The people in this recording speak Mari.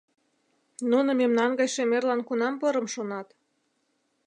Нуно мемнан гай шемерлан кунам порым шонат?..